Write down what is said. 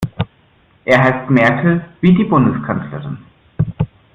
Er heißt Merkel, wie die Bundeskanzlerin.